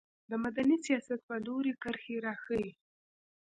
د مدني سیاست په لوري کرښې راښيي.